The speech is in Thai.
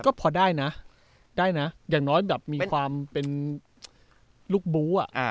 ก็พอได้นะได้นะอย่างน้อยแบบมีความเป็นลูกบู๊อ่ะ